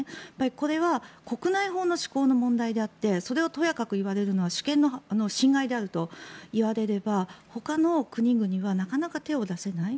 これは国内法の施行の問題であってそれをとやかく言われるのは主権の侵害であると言われればほかの国々はなかなか手を出せない。